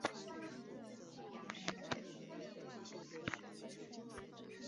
生态旅游服务中心和赏鹰平台是为了使民众能更解八卦山生态所设。